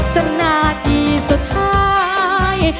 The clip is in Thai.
จนนาทีสุดท้าย